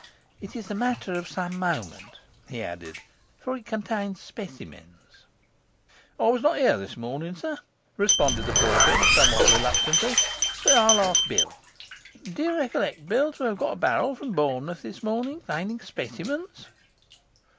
'It is a matter of some moment,' he added, 'for it contains specimens.' 'I was not here this morning, sir,' responded the porter, somewhat reluctantly, 'but I'll ask Bill. Do you recollect, Bill, to have got a barrel from Bournemouth this morning containing specimens?